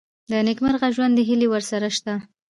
د نېکمرغه ژوند هیلې ورسره شته.